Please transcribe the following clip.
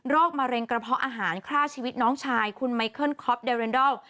มะเร็งกระเพาะอาหารฆ่าชีวิตน้องชายคุณไมเคิลคอปเดเรนดอล